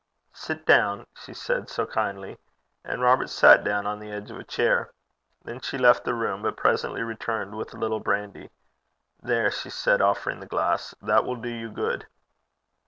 'Sit down,' she said so kindly and Robert sat down on the edge of a chair. Then she left the room, but presently returned with a little brandy. 'There,' she said, offering the glass, 'that will do you good.'